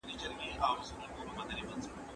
زه هره ورځ بوټونه پاکوم؟!